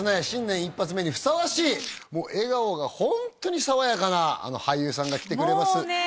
新年一発目にふさわしいもう笑顔がホントに爽やかな俳優さんが来てくれます